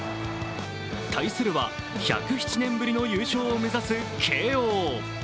対するは、１０７年ぶりの優勝を目指す慶応。